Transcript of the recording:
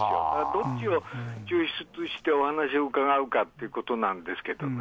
どっちを抽出してお話を伺うかということなんですけどね。